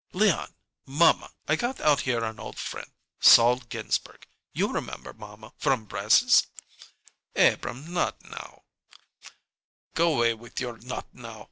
"Leon mamma I got out here an old friend Sol Ginsberg. You remember, mamma, from brasses " "Abrahm not now " "Go 'way with your 'not now'!